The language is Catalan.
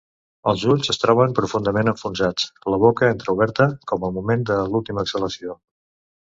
Els ulls es troben profundament enfonsats, la boca entreoberta com al moment de l'última exhalació.